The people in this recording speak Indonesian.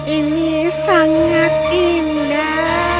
ini sangat indah